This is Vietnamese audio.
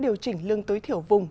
để điều chỉnh lương tối thiểu vùng